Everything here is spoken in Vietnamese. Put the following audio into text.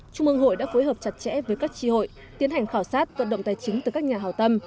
trung ương hội đã phối hợp chặt chẽ với các tri hội tiến hành khảo sát vận động tài chính từ các nhà hào tâm